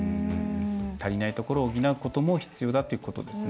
足りないところを補うことも必要だということですね。